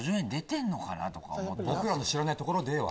僕らの知らないところでは。